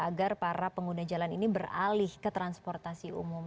agar para pengguna jalan ini beralih ke transportasi umum